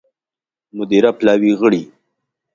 مدیره پلاوي غړي